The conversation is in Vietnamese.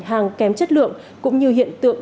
hàng kém chất lượng cũng như hiện tượng